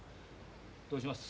どうします？